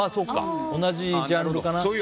同じジャンルかな。